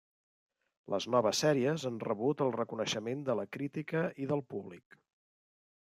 Les noves sèries han rebut el reconeixement de la crítica i del públic.